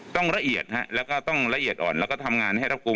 ละเอียดฮะแล้วก็ต้องละเอียดอ่อนแล้วก็ทำงานให้รับรู้